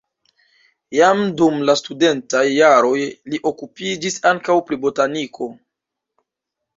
Jam dum la studentaj jaroj li okupiĝis ankaŭ pri botaniko.